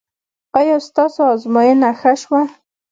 ایا ستاسو ازموینه ښه شوه؟